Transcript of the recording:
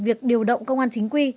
việc điều động công an chính quy